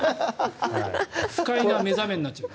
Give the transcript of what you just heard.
不快な目覚めになっちゃう。